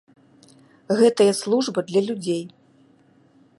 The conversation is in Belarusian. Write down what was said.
Гэтая служба для людзей.